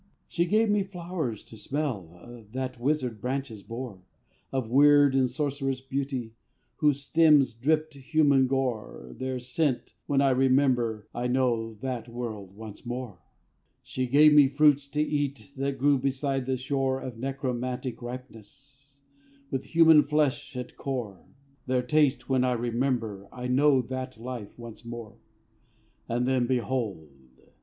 She gave me flowers to smell of That wizard branches bore, Of weird and sorcerous beauty, Whose stems dripped human gore Their scent when I remember I know that world once more. She gave me fruits to eat of That grew beside the shore, Of necromantic ripeness, With human flesh at core Their taste when I remember I know that life once more. And then, behold!